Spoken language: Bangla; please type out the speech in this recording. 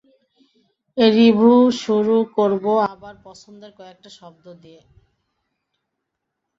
রিভিউ শুরু করব আমার পছন্দের কয়েকটা শব্দ দিয়ে।